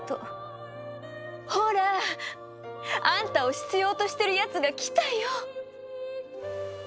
ほら！あんたを必要としてるやつが来たよ。